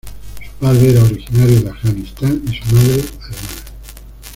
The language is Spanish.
Su padre era originario de Afganistán y su madre, alemana.